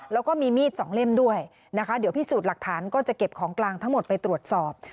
แล้วก็มีมีดสองเล่มด้วยนะคะเดี๋ยวพิสูจน์หลักฐานก็จะเก็บของกลางทั้งหมดไปตรวจสอบ